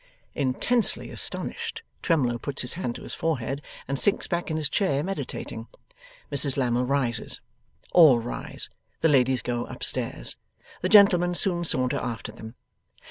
Intensely astonished, Twemlow puts his hand to his forehead, and sinks back in his chair meditating. Mrs Lammle rises. All rise. The ladies go up stairs. The gentlemen soon saunter after them.